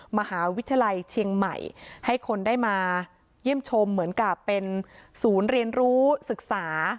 มหาวิทยาลัยเชียงใหม่ให้คนได้มาเยี่ยมชมเหมือนกับเป็นศูนย์เรียนรู้ศึกษา